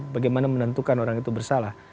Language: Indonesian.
bagaimana menentukan orang itu bersalah